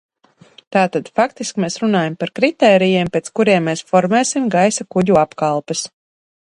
Tātad faktiski mēs runājam par kritērijiem, pēc kuriem mēs formēsim gaisa kuģu apkalpes.